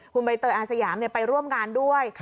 คุณใบเตยอาสยามไปร่วมงานด้วย